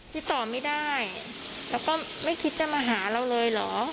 ติดต่อไม่ได้แล้วก็ไม่คิดจะมาหาเราเลยเหรอ